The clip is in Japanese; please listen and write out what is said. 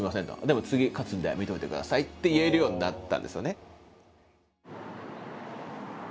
でも次勝つんで見といてください」って言えるようになったんですよね。